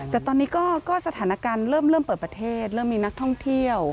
แต่ตอนนี้ก็สถานการณ์เริ่มเปิดประเทศเริ่มมีนักท่องเที่ยว